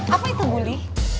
apa itu bu li